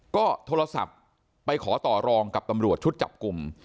ก็โทรศัพท์ไปขอต่อรองกับตำรวจชุดจับกลุ่ม